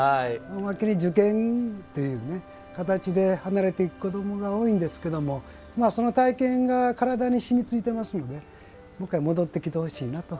おまけに受験っていう形で離れていく子どもが多いんですがその体験が体にしみついていますのでもう１回、戻ってきてほしいなと。